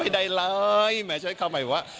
ไม่ได้เลยแม้ใช้เข้าใหม่ว่า